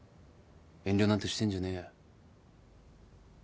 遠慮なんてしてんじゃねえよ。